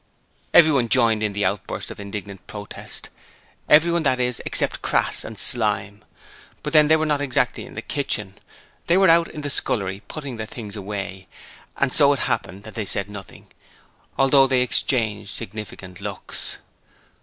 Everyone joined in the outburst of indignant protest. Everyone, that is, except Crass and Slyme. But then they were not exactly in the kitchen: they were out in the scullery putting their things away, and so it happened that they said nothing, although they exchanged significant looks.